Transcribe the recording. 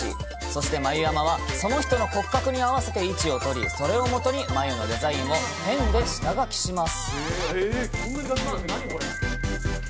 そして、眉山は、その人の骨格に合わせて位置を取り、それをもとに眉のデザインをペンで下描きします。